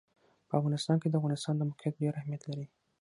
په افغانستان کې د افغانستان د موقعیت ډېر اهمیت لري.